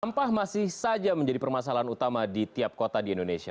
sampah masih saja menjadi permasalahan utama di tiap kota di indonesia